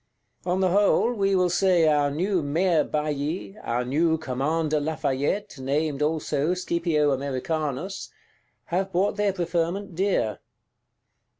On the whole, we will say our new Mayor Bailly; our new Commander Lafayette, named also "Scipio Americanus," have bought their preferment dear.